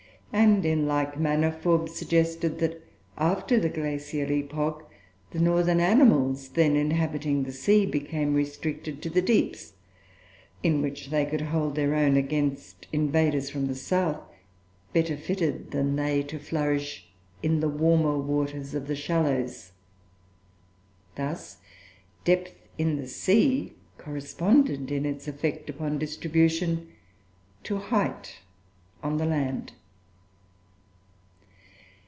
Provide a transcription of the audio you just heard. And, in like manner, Forbes suggested that, after the glacial epoch, the northern animals then inhabiting the sea became restricted to the deeps in which they could hold their own against invaders from the south, better fitted than they to flourish in the warmer waters of the shallows. Thus depth in the sea corresponded in its effect upon distribution to height on the land.